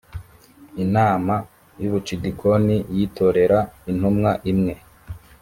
inama y’ubucidikoni yitorera intumwa imwe